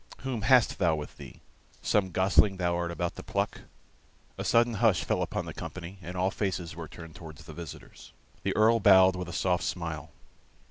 Whom hast thou with thee? Some gosling thou art about to pluck?" A sudden hush fell upon the company, and all faces were turned towards the visitors. The Earl bowed with a soft smile.